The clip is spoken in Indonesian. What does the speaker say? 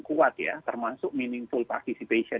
kuat ya termasuk meaningful participation